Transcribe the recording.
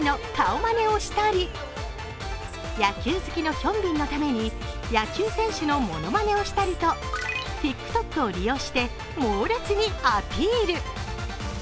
まねをしたり野球好きのヒョンビンのために野球選手のものまねをしたりとＴｉｋＴｏｋを利用して猛烈にアピール。